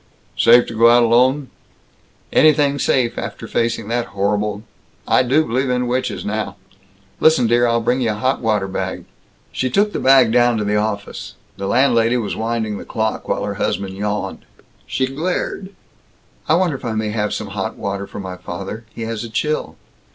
"Safe to go out alone?" "Anything's safe after facing that horrible I do believe in witches, now. Listen, dear; I'll bring you a hot water bag." She took the bag down to the office. The landlady was winding the clock, while her husband yawned. She glared. "I wonder if I may have some hot water for my father? He has a chill."